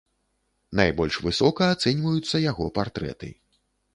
Найбольш высока ацэньваюцца яго партрэты.